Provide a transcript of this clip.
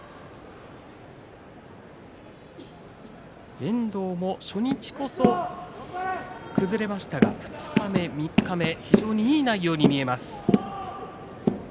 遠藤も初日こそ崩れましたが二日目、三日目、非常にいい内容に見えます。